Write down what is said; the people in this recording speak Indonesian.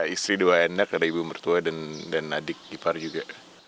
istri dua anak ada ibu mertua dan adik ipar juga